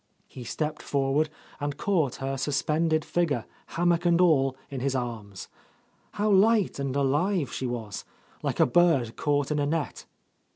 He stepped forward and caught her suspended figure, hammock and all, in his arms. How light and alive she was! like a bird caught in a net.